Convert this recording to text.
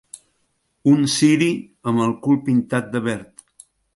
Un ciri amb el cul pintat de verd.